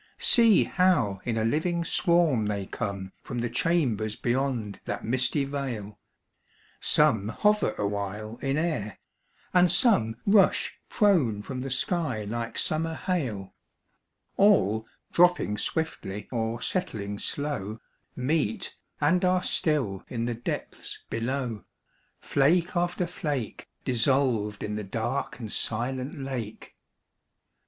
See how in a living swarm they come From the chambers beyond that misty vail ; Some hover awhile in air, and some Rush prone from the sky like summer hail. THE SNOW SHOWEE. 27 All, dropping swiftly or settling slow, Meet, and are still in the depths below: Flake after flake Dissolved in the dark and silent lake.